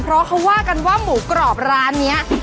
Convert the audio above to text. เพราะเขาว่ากันว่าหมูกรอบร้านนี้